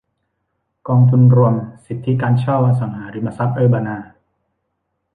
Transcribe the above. กองทุนรวมสิทธิการเช่าอสังหาริมทรัพย์เออร์บานา